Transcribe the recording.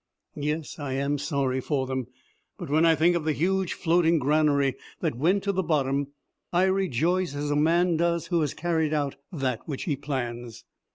Yes, I am sorry for them. But when I think of the huge floating granary that went to the bottom, I rejoice as a man does who has carried out that which he plans.